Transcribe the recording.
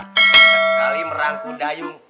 sekali merangku dayung